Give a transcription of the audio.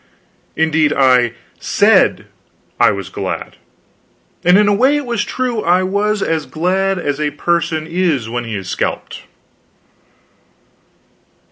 Indeed, I said I was glad. And in a way it was true; I was as glad as a person is when he is scalped.